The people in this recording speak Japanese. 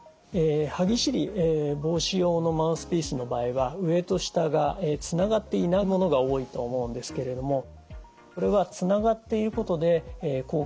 歯ぎしり防止用のマウスピースの場合は上と下がつながっていないものが多いと思うんですけれどもこれはつながっていることで効果を発揮します。